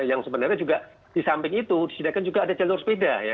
yang sebenarnya juga di samping itu disediakan juga ada jalur sepeda ya